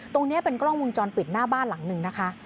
ตรงนี้เป็นกล้องวงจรปิดหน้าบ้านหลังหนึ่งนะคะ